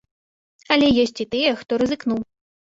Але ёсць і тыя, хто рызыкнуў.